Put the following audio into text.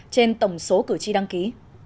trên tổng số cử tri đăng ký